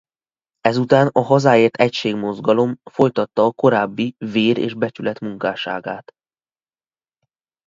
Ezután a Hazáért Egység Mozgalom folytatta a korábbi Vér és Becsület munkásságát.